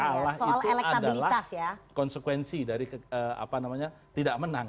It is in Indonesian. kalah itu adalah konsekuensi dari tidak menang